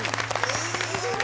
いいね！